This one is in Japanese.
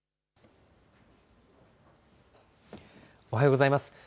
おはようございます。